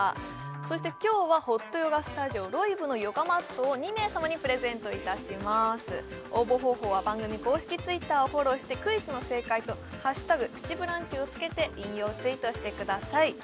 そして今日はホットヨガスタジオ・ロイブのヨガマットを２名様にプレゼントいたします応募方法は番組公式Ｔｗｉｔｔｅｒをフォローしてクイズの正解と「＃プチブランチ」をつけて引用ツイートしてください